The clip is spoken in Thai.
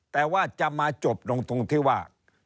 แต่ว่าจะมาจบตรงทุนที่ว่า